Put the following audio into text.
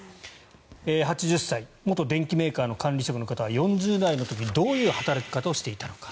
８０歳元電機メーカーの管理職の方は４０代の時にどういう働き方をしていたのか。